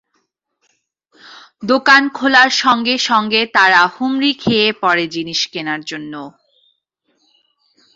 দোকান খোলার সঙ্গে সঙ্গে তারা হুমড়ি খেয়ে পড়ে জিনিস কেনার জন্য।